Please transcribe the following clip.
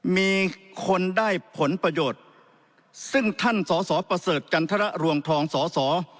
มีคนได้ผลประโยชน์ซึ่งท่านสอสอประเสริฐจันทรรวงทองสอสอ